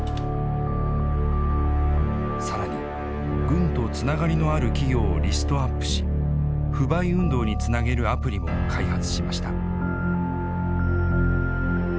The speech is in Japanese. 更に軍とつながりのある企業をリストアップし不買運動につなげるアプリも開発しました。